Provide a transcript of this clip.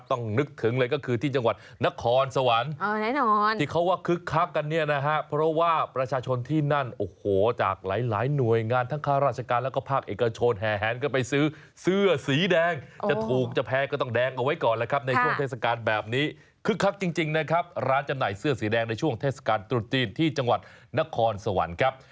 ต้องนึกถึงเลยก็คือที่จังหวัดนครสวรรค์